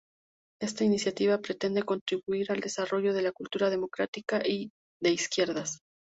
Esta iniciativa pretende contribuir al desarrollo de la cultura democrática y de izquierdas.